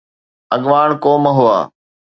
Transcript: اڳواڻ قوم هئا.